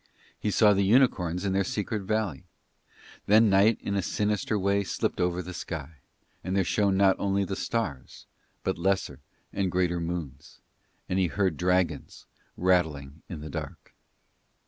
He saw the unicorns in their secret valley. Then night in a sinister way slipped over the sky, and there shone not only the stars, but lesser and greater moons, and he heard dragons rattling in the dark.